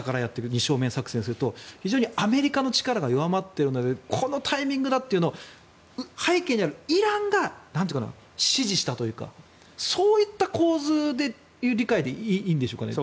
二正面作戦をすると非常にアメリカの力が弱まってるのでこのタイミングだというのを背景にあるイランが支持したというかそういった構図という理解でいいんですか。